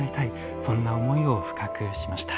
そんな思いを深くしました。